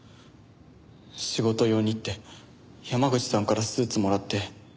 仕事用にって山口さんからスーツもらって。